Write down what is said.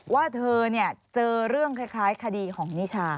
ว่าเธอเจอเรื่องคล้ายคดีของนิชา